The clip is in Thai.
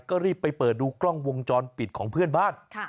ก็รีบไปเปิดดูกล้องวงจรปิดของเพื่อนบ้าน